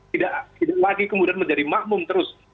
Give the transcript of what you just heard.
tidak lagi kemudian menjadi makmum terus